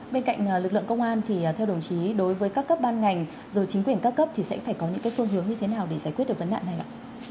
bên cạnh lực lượng công an thì theo đồng chí đối với các cấp ban ngành rồi chính quyền các cấp thì sẽ phải có những phương hướng như thế nào để giải quyết được vấn nạn này ạ